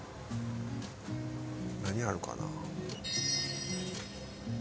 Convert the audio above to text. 何あるかな？